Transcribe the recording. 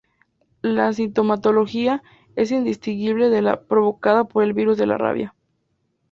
La sintomatología es indistinguible de la provocada por el virus de la rabia.